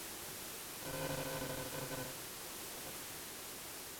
棒状毛毡苔粉的化石花粉发现于台湾的中新世构成物。